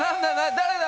誰だ？